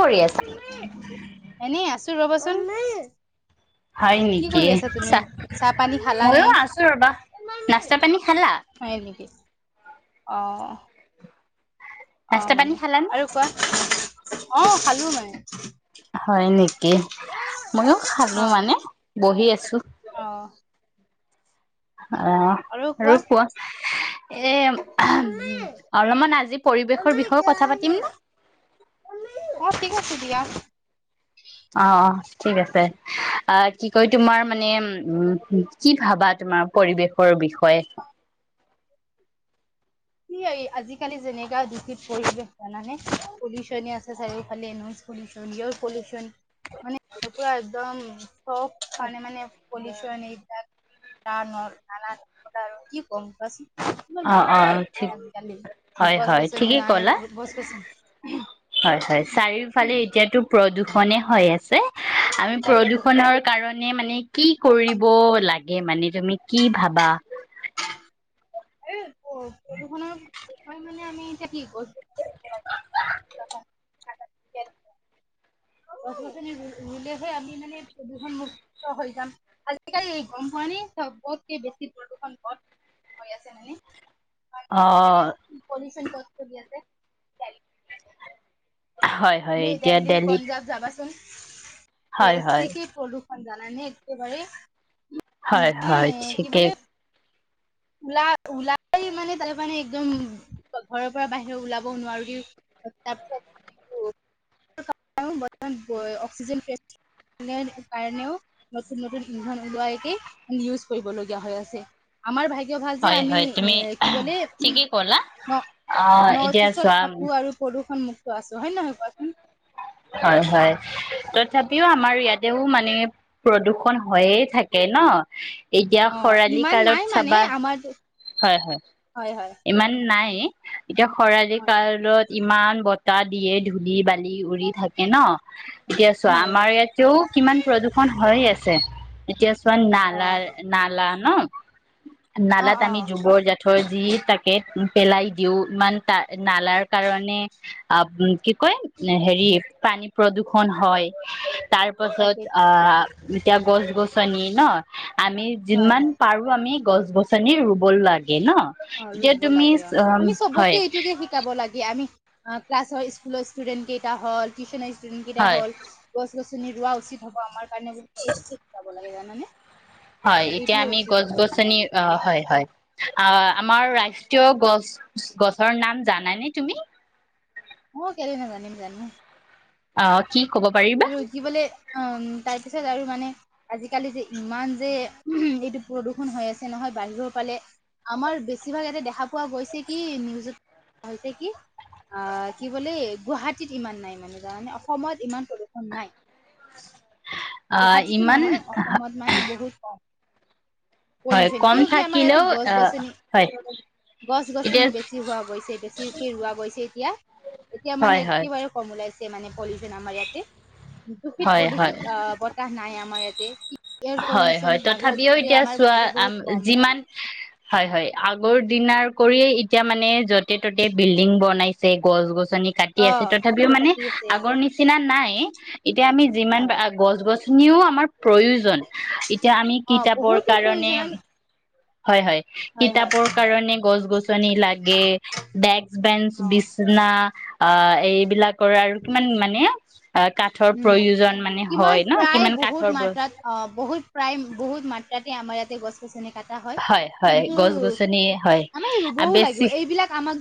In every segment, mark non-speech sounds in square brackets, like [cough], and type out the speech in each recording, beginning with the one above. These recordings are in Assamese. কৰি আছে এনেই আছো ৰবত চ ন হয় নেকি চ চাহ পানী খালানে ময়ো আছো ৰবা নাস্তা পানী খালা আহ অ নাস্তা পানী মানে খালানে? আৰু কোৱা অ খালো মাই হয় নেকি মইয়ো খালো অ মানে বহি আছো অ অ আৰু কোৱা এ অলপমান আজি পৰিৱেশৰ বিষয়েও কথা পাতিমনে অ ঠিক আছে দিয়া ঠিক আছে আহ কি ক তোমাৰ মানে উ কি ভাবা তোমাৰ পৰিৱেশৰ বিষয়ে কি আজিকালি যেনেকাত পৰিবেশ জানানে পলিউচনে আছে চাৰিওফালে নইজ পলিউচন এয়াৰ পলিউচন মানেৰা একদম চ কাৰণে মানে পলিচন এই নানা আৰু কি কম কোৱাচোন ইমান অ ভাল অ পৰিৱেশ নাই আজিকালি। হয় গছ হয় গছনি ঠিকেই নাই কলা গছ গছনি হয় হয় চাৰিওফালে এতিয়াতো প্ৰদূষণ শনে হৈ আছে আমি তাকেতো প্ৰদূষণৰ কাৰণে মানে মানে কি কৰিব লাগে মানে তুমি কি ভাবা এই প্ৰদূষণৰ বিষয় মানে আমি এতিয়া কি [unintelligible] [inaudible] গছ গছনি ৰুলেহে আমি মানে প্ৰদূষণমক্ত হৈ যাম আজিকালি গম হোৱা নে চ কতকে বেছি প্ৰদূষণ পত হৈ আছে অ মানে পলচন ল আছে হয় হয় তুমি এতিয়া দেলহী দেলহিত পঞ্জাব যাবাচোন হয় হয় বেছিক প্ৰদুখন জানাই নে একেবাৰে হয় মানে হয় কি বোলে ঠিকেই ওলা ওলাই মানে তাৰ মানে একদম ঘৰৰ পৰা বাহিৰ ওলাব নোৱাৰো দ তাৰপিছত অক্সিজেন কাৰণেও নতুন নতুন ইন্ধন ওলোৱাইকে ইউজ কৰিবলগীয়া হৈ আছে আমাৰ ভাই ভাল যে হয় আমি হয় তুমি এ কি বোলে ঠিকেই ক'লা অ নৰ্থ এতিয়া ইষ্টত চোৱা থাকো আৰু প্ৰদূষণ মুক্ত আছো হয় নহয় হয় হয় তথাপিও আমাৰ ইয়াতেও মানে প্ৰদূষন হয়য়ে থাকে ন এতিয়া অ খৰালি ইমান কালত নাই মানে চাবা আমাৰ হয় হয় হয় হয় ইমান নাই [inaudible] এতিয়া খৰালি হয় কালত ইমান বতাহ দিয়ে ধূলি বাৰ বালি উৰি থাকে ন এতিয়া চোৱা হয় আমাৰ হয়। ইয়াতেও কিমান প্ৰদূষণ হৈ আছে ছে এতিয়া প অ নালা নালা ন অ নালাত অ আমি যুগৰ য থয়জি তাকে পেলাই দিও ইমান ত নালাৰ কাৰণে আ কি কয় হেৰি পানী প্ৰদূ্ষন হয় তাৰ পাছত তাকে আহ যেতিয়া গছ গছনি ন আমি হয় হয়। যিমান পাৰো আমি গছ গছনি ৰুব লাগে ন অ এতিয়া ৰুইব তুমি লাগে অ আমি চবকে হয় এইটোকে শিকাব লাগে আমি অ ক্লাছ হয় স্কুলৰ ষ্টুডেণ্ট কেইটা হল টিউশ্যন আহি কিমানকেইটা হয় হল গছ গছনি ৰোৱা উচিত হ'ব আমাৰ কাৰণে গোটেই স্কুল চাব লাগে কে জানানে হয় এতিয়া এইটোৱে আমি উচিত গছ হ'ব মানে গছনি অ আজিকালি হয় হয় অ আমাৰ ৰাষ্ট্ৰীয় গছ গছৰ নাম জানাই নে তুমি অ কেলে নাজানিম জানিম অ কি ক'ব পাৰিবা আৰু যি বোলে অম তাৰ পিছত আৰু মানে আজিকালি যে ইমান যে উম এইটো প্ৰদূষণ হৈ আছে নহয় বাহিৰৰ ফালে আমাৰ বেছিভাগ ইয়াতে দেখা পোৱা গৈছে কি নিউজত হৈছে কি আ কি বোলে গুৱাহাটীত ইমান নাই মানে জানানে অসমত ইমান প্ৰদূষণ শুনাই অ গুৱাহাটীততো ইমান নহয় অসমত মানে বহুত কম হয় পৰিছিল কম কিয় কি আমাৰ ইয়াতে থাকিলেও গছ আহ গছনি হয় গছ এতিয়া গছনি বেছি হোৱা গৈছে বেছিকে ৰোৱা গৈছে এতিয়া এতিয়া হয় মানে হয় একেবাৰে কম ওলাইছে আছে মানে পলিথিন আমাৰ ইয়াতে দূষিত হয় হয় প্ৰদূষিত আহ বতাহ নাই আমাৰ ইয়া তে হয় হয় তথাপিও এতিয়া চোৱা ইয়াতে আ বহুত কম মানে যিমান হয় হয় আগৰ দিনাৰ কৰিয়ে এতিয়া মানে য'তে ত'তে বিল্ডিং বনাইছে গছ গছ নি কাটি অ আছে তথাপিও মানে কাটি আছে আগৰ নিচিনা নাই [unintelligible] এতিয়া আমি যিমান পা হয় গছ গছ নিও আমাৰ প্ৰয়োজন এতিয়া আমি অ কিতাপৰ বহুতেই কাৰণে প্ৰয়োজন আমি হয় হয় হয় হয় কিতাপৰ কাৰণে গছ গছনি লাগে ডেস্ক বেঞ্চ অ বিচনা অ এইবিলাকৰ আৰু কিমান মানে আহ কাঠৰ উম প্ৰয়োজন মানে হয় কিমান ন প্ৰায় কিমান কাঠৰ বহুত ব্ৰছ মাত্ৰাত অ বহুত প্ৰায় বহুত মাত্ৰাত আমাৰ ইয়াতে গছ গছনি কটা হয় হয় কিন্তু গছ গছনি হয়। আৰু বেছি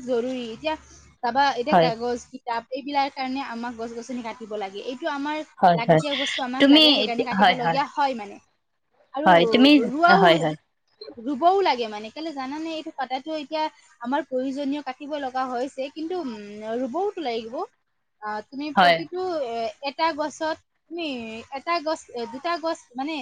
জৰৰুী এতিয়া তাৰা পাৰা এতিয়া হয় কাগজ, কি তাক, এইবিলাৰ কাৰণে আমাক গছ গছনি কাটিব লাগে। ‌ এই টো আমাৰ হয় হয় লাগতিয়াল বস্তু আমাক তুমি লাগে সেইকাৰণে কাটিব লগগীয়া হয় মানে, আৰু হয় তুমি ৰুৱও হয় হয় ৰুবও লাগে মানে। সনেকলে জানানে, এইটো কাতাটো এতিয়া আমাৰ প্ৰয়োজনীয় কাটিব লগা হৈছে। কিন্তু উম ৰুবওতো লাগিব। অ তুমি হয় প্ৰতিটো, এ এটা গছত আমি, এটা গছ, দুটা গছ মানে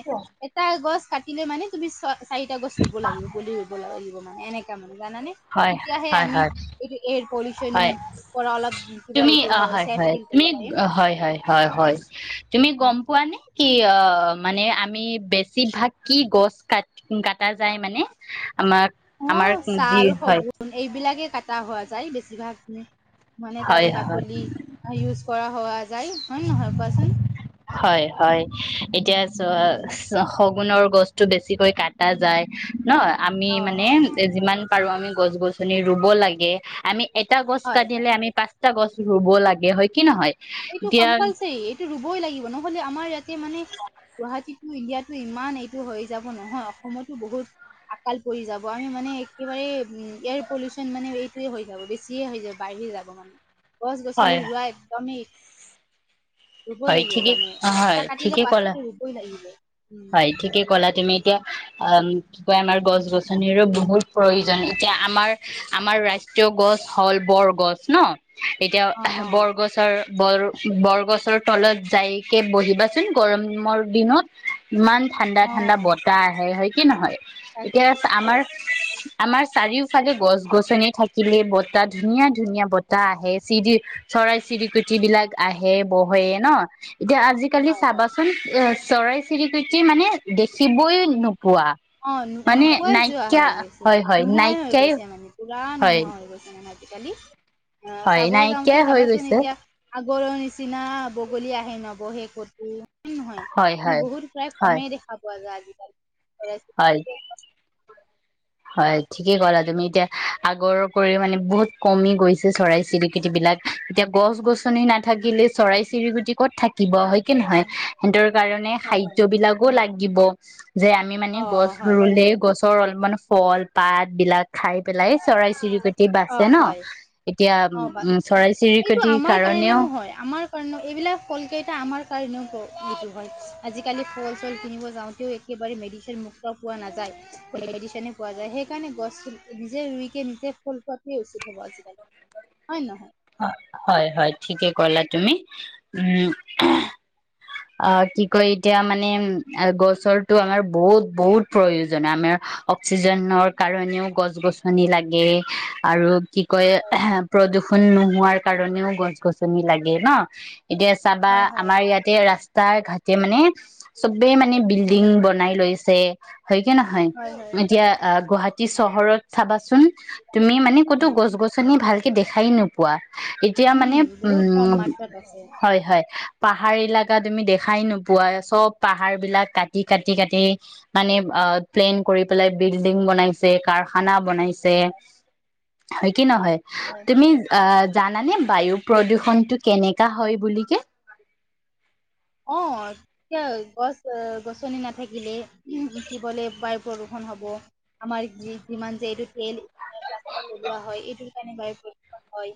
এটা গছ কাটিলে মানে তুমি, চ চাৰিটা গছ ৰুব লাগিব। পুলি ৰুব লাগিব। এনেকা মানে। জানানে? হয় তেতিয়াহে হয় আমি, হয় এইটো এই পলিউশন হয় পৰা অলপ, কি বুলে তুমি এইটো, অ হয়, চেফ ফিল তুমি কৰিব পাৰিম। হয়! হয়! হয়! তুমি উম। গম পোৱা নে? কি অ' মানে, আমি বেছিভাগ কি গছ, ক, কটা যায় মানে? আমাক, অ আমাৰ যি, ছাল হয় শগুন এইবিলাকে হোৱা যায়, বেছিভাগ মানে তাৰে হয় হয় বাকলি ইউজ কৰা হয় যাই! হয় নহয় কোৱাচোন? হয়! হয়! এতিয়া ছ, উম, ছশ চেগুণৰ গছতো বেছিকৈ কাটা যায়। নহ! আমি অ মানে, অ যে যিমান পাৰোঁ আমি গছ গছনি ৰুব লাগে, আমি এটা গছ হয় কটিলে আমি পাঁচ টা গছ ৰুব লাগে। হয় কি নহয়? এইটো এতিয়া কম্পালচাৰী, এইটো বই লাগিব, নহ'লে আমাৰ ইয়াত মানে, গুৱাহাটীত ইণ্ডিয়াতটো ইমান এইটো হৈ যাব নহয়, অসমতো বহুত আকাল পৰি যাব। আমি মানে একেবাৰে, উম, এয়াৰ পলিউচন মানে, এইটোৱে হৈ যাব। বেছিয়ে হৈ যাব, বাঢ়ি যাব মানে। গছ হয় গছনি ৰুৱা একদমেই ৰুবই হয় লাগিব ঠিকেই মানে হয় এটা কাটিলে ঠিকেই ক'লা পাছতে ৰুবই লাগিলে হয় ঠিকে ক'লা তুমি এতিয়া অ কি কয় আমাৰ গছ গছনিৰো বহুত প্ৰয়োজন এতিয়া আমাৰ আমাৰ ৰাষ্ট্ৰীয় গছ হ'ল বৰগছ ন এতিয়া অ অ বৰগছৰ বৰ বৰগছৰ তলত যাইকে বহিবাচোন গৰমৰ দিনত ইমান ঠাণ্ডা অ ঠাণ্ডা বতাহ আহে হয় কি নহয় এতিয়া তাকেইতো হয় আমাৰ আমাৰ চাৰিওফালে গছ গছনি থাকিলে বতাহ ধুনীয়া ধুনীয়া বতাহ আহে চিৰি চৰাই চিৰিকট বিলাক আহে বহে ন এতিয়া আজিকালি হয় হয় চাবাচোন এ চৰাই চিৰিকৃটি মানে দেখিবই ন অ ন নোপোৱাই যোৱা হৈ গৈছে হয় হয় নোহোৱাই হৈ নাইকিয়াই গৈছে মানে পা হয় নোহোৱা হৈ গৈছে মানে আজিকালি অ হয় চাব নাইকিয়াই যাওঁতে হৈ চাবাচোন গৈছে এতিয়া আগৰৰ নিচিনা বগলী আহে নবহে কত নহয় হয় ম হয় বহুত প্ৰায় হয় কমেই দেখা পোৱা যায় আৰু আ হয় হয় ঠিকে ক'লা তুমি এতিয়া আগৰ কৰি মানে বহুত কমি গৈছে চৰাই চিৰিকিটি বিলাক এতিয়া গছ গছনি নাথাকিলে চৰাই চিৰিকুটি ক'ত থাকি কিব হয় কিে নহয় সিহতৰ কাৰণে হয় হয় খাদ্য বিলাকো লাগ াগিব যে আমি মানে অ গছ হয় ৰুলে গছৰল মানে [unintelligible] ফল পাত বিলাক, খাই পেলাই, চৰাই চিৰিকটি অ বাচে ন' হয় এতিয়া, অ বা উম চৰাই চিৰিকটিৰ কাৰণেও, কাৰ এইবিলাক ফল কেইটা আমাৰ কাৰণেওতু হয়। আজিকালি ফল চল কিনিব যাওঁতেও একেবাৰে মেডিচিন মুক্ত পোৱা নাযায়, মেডিচনে পোৱা যায়, সেইকাৰণে গছ নিজে ৰুইকে [unintelligible] নিজে ফল পোৱাটোৱে উচিত হ'ব আজিকালি। হয় নহয়, হয়, হয় ঠিকে ক'লা তুমি, উম', কি কয় এতিয়া মানে গছৰটো আমাৰ বহুত, বহুত প্ৰয়োজন আমাৰ অক্সিজেনৰ কাৰণেও গছ গছনি লাগে আৰু কি কয়, প্ৰদূষ নোহোৱাৰ কাৰণেও গছ গছনি লাগে ন'। এতিয়া চাবা, হয় হয় আমাৰ ইয়াতে ৰাস্তাই ঘাটে মানে, চবে মানে বিল্ডিং বনাই লৈছে। হয় কি নহয়, হয় এতিয়া গুৱাহাটী চহৰত চাবাচোন, তুমি মানে ক'তো হয় গছ গছনি ভাল দেখাই নো, পোৱা, এতিয়া মানে উম, বহুত কম উম', মাত্ৰাত আছে হয়, হয়। পাহাৰ এলাকা তুমি দেখাই নোপোৱা চব পাহাৰ বিলাক কাটি, কাটি, কাটি মানে অ প্লেন কৰি পেলাই বিল্ডিং বনাইছে কাৰখানা বনাইছে। কি নহয়, হয়। তুমি, অ' জানানে বায়ু প্ৰদূষণটো কেনেকা হয় বুলি কে অ', গছ গছনি নাথাকিলে দিবলে বায়ু প্ৰদূষণ হব, আমাৰ যিমান যে এইটো তেল প্লাষ্টিক পলোৱা হয়, এইটো, হয়।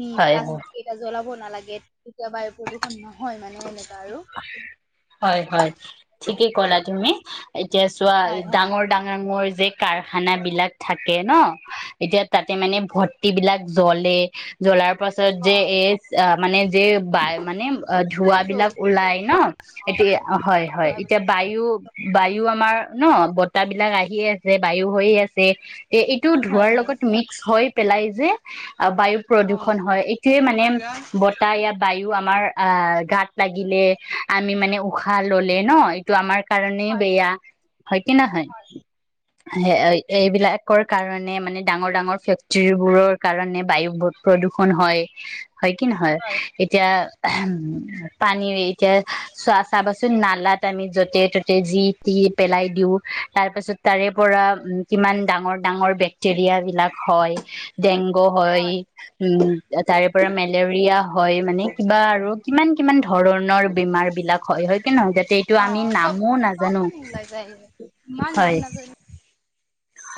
নি হয় হয় প্লাষ্টিকেইটা জ্বলাব, নালাগে, তেতিয়া বায়ু প্ৰদূষণ নহয় মানে এনেকে। হয়, হয় ঠিকেই ক'লা তুমি। এতিয়া চোৱা হয়, হয়। ডাঙৰ, ডাঙৰ মই, যে কাৰখানা বিলাক থাকে ন', এতিয়া তাতে মানে ভৰ্তি বিলাক জ্বলে জ্বলাৰ তাৰ পাছত অ, যে এই, মানে যে ব মানে অ ধুৱা অ, বিলাক, ওলাই ন', অ, এতিয়া হয়, হয় এতিয়া বায়ু, বায়ু আমাৰ, ন', বতাহ বিলাক আহিয়ে আছে বায়ু হৈয়ে আছে। এ এইটো হয়, ধোৱাৰ হয়। লগত মিক্স হয়, পেলাই যে, বায়ু প্ৰদূষণ অ', হয়, এইটোয়ে মানে বতাহ ইয়াত বায়ু আমাৰ অ গাত লাগিলে আমি মানে উশাহ ললে ন এইটো আমাৰ কাৰণে হয়, হয়, বেয়া হয় কি নহয় এইবিলাক কৰ কাৰণে মানে ডাঙৰ ডাঙৰ ফেক্টৰী বোৰৰ কাৰণে বায়ু প্ৰদূষন হয় হয় কি নহয় হয়। হয় এতিয়া উম পানী এতিয়া চোৱা চাবাচোন নালাত আমি য'তে ত'তে যি টি পেলাই দিওঁ তাৰ পাছত তাৰে পৰা উম কিমান ডাঙৰ ডাঙৰ বেক্টেৰিয়া বিলাক হয় ডেংগু হয় উম তাৰে পৰা মেলেৰিয়া হয় মানে কিবা আৰু কিমান [unintelligible] ধৰণৰ বেমাৰ বিলাক হয় হয় কি নহয় যাতে এইটো অ আমি চব নামো চব নাজানো মানে ওলাই যায় ইমান নাম হয় নাজানো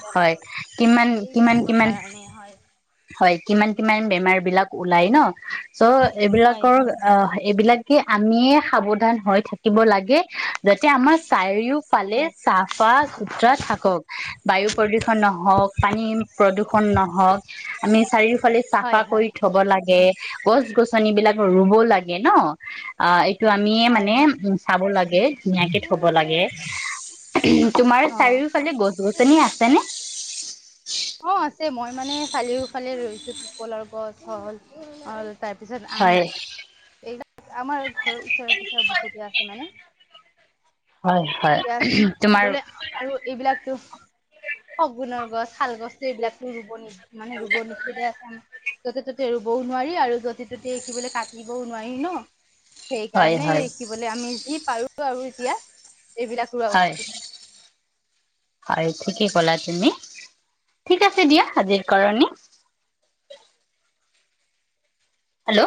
জাম হয় আৰু কিমান কিমান এইবিলাকৰ কিমান কাৰণে হয় হয় কিমান কিমান বেমাৰ বিলাক ওলায় ন চ' হয় এইবিলাকৰ হয় অ হয় বিলাকে আমিয়ে সাৱধান হৈ থাকিব লাগে। যাতে আমাৰ চাৰিওফালে হয় চাফা চুতৰা থাকক বায়ু প্ৰদূক্ষণ নহওক পানী প্ৰদূক্ষণ নহওক আমি চাৰিওফালে চাফা হয় হয় কৰি থব লাগে গছ গছনি বিলাক ৰুব লাগে [unintelligible] সিটো আমিয়ে হয় মানে হয় উম চাব লাগে ধুনীয়াকে থব লাগে তোমাৰ অ চাৰিওফালে গছ গছনি আছে নে? [inaudible] কলৰ গছ হল আৰু তাৰপিছত আম হয় আমাৰ ঘৰৰ ওচৰে পোচৰে বহুতে আছে মানে হয় হয় এতিয়া তোমাৰ সুবলে আৰু এইবিলাকতো শগুনৰ গছ শাল গছো এইবিলাকো টো ৰুব নিদিয়ে মানে ৰুব নিষেধে আছে য'তে ত'তে ৰুবও নোৱাৰি আৰু য'তে ততে দেখিবলৈ কাটি- বও নোৱাৰি ন হয় সেইকাৰণে হয় কি বোলে আমি যি পাৰো বাৰু এতিয়া। এইবিলাক ৰোৱা হয় উচিত। হয় ঠিকেই কলা তুমি ঠিক আছে দিয়া, আজিৰ কাৰনে। হেল্ল'